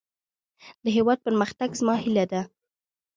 د هيواد پرمختګ زما هيله ده.